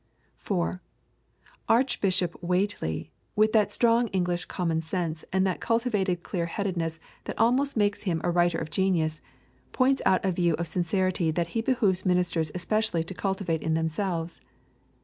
(4) Archbishop Whately, with that strong English common sense and that cultivated clear headedness that almost make him a writer of genius, points out a view of sincerity that it behoves ministers especially to cultivate in themselves.